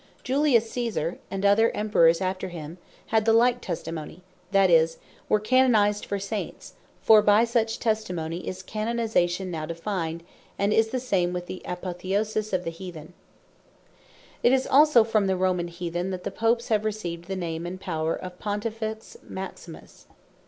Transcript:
Julius Caesar, and other Emperors after him, had the like Testimony; that is, were Canonized for Saints; now defined; and is the same with the Apotheosis of the Heathen. The Name Of Pontifex It is also from the Roman Heathen, that the Popes have received the name, and power of PONTIFEX MAXIMUS.